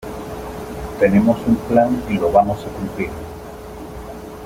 tenemos un plan y lo vamos a cumplir .